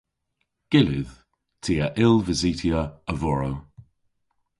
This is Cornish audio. Gyllydh. Ty a yll vysytya a-vorow.